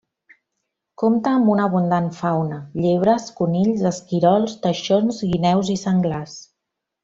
Compta amb una abundant fauna: llebres, conills, esquirols, teixons, guineus i senglars.